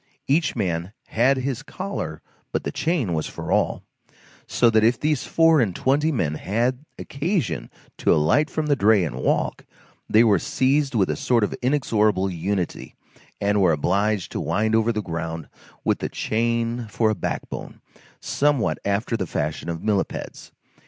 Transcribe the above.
Each man had his collar, but the chain was for all; so that if these four and twenty men had occasion to alight from the dray and walk, they were seized with a sort of inexorable unity, and were obliged to wind over the ground with the chain for a backbone, somewhat after the fashion of millepeds.